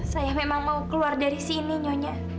saya memang mau keluar dari sini nyonya